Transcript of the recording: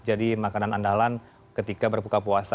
jadi makanan andalan ketika berbuka puasa